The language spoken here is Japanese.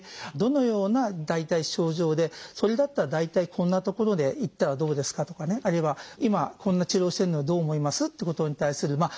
どのような大体症状でそれだったら大体こんな所で行ったらどうですかとかねあるいは今こんな治療してるのはどう思います？っていうことに対する。